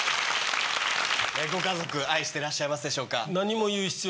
ご家族愛してらっしゃいますでしょうか？